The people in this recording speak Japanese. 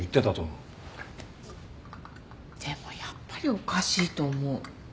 でもやっぱりおかしいと思う。